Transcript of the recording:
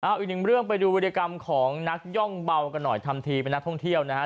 เอาอีกหนึ่งเรื่องไปดูวิธีกรรมของนักย่องเบากันหน่อยทำทีเป็นนักท่องเที่ยวนะฮะ